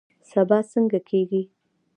سبا څنګه کیږي؟